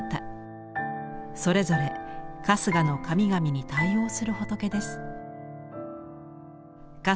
それぞれ春日の神々に対応する仏です。